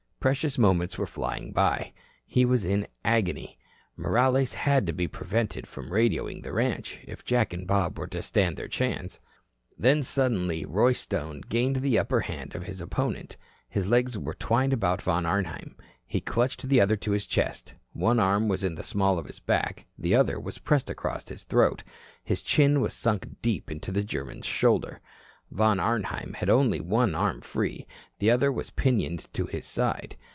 Precious minutes were flying by. He was in an agony. Morales had to be prevented from radioing the ranch, if Jack and Bob were to stand their chance. Then suddenly Roy Stone gained the upper hand of his opponent. He legs were twined about Von Arnheim, he clutched the other to his chest, one arm was in the small of his back, the other was pressed across his throat, his chin was sunk deep into the German's shoulder. Von Arnheim had only one arm free, the other was pinioned to his side.